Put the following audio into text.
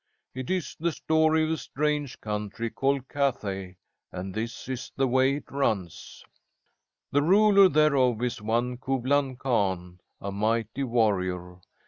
It is the story of a strange country called Cathay, and this is the way it runs: "'The ruler thereof is one Kublan Khan, a mighty warrior.